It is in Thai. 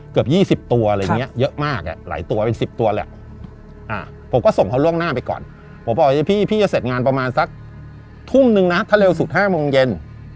เกือบ๒๐ตัวอะไรอย่างนี้เยอะมากหลายตัวเป็น๑๐ตัวแหละผมก็ส่งเขาล่วงหน้าไปก่อนผมบอกพี่จะเสร็จงานประมาณสักทุ่มนึงนะถ้าเร็วสุด๕โมงเย็น